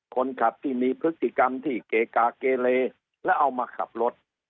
คนขับที่มีพฤติกรรมที่เกกาเกเลแล้วเอามาขับรถ